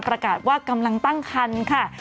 ประกาศว่ากำลังตั้งคันค่ะ